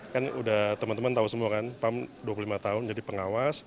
kan udah teman teman tahu semua kan pam dua puluh lima tahun jadi pengawas